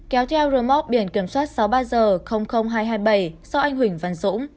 kéo theo remote biển kiểm soát sáu mươi ba g hai trăm hai mươi bảy do anh huỳnh văn dũng